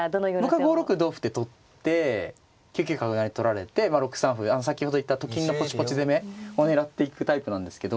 僕は５六同歩って取って９九角成取られてまあ６三歩先ほど言ったと金のポチポチ攻めを狙っていくタイプなんですけど。